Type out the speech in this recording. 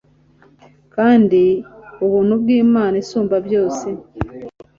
kandi ubuntu bw’Imana Isumba byose